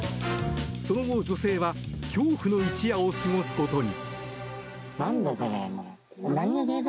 その後、女性は恐怖の一夜を過ごすことに。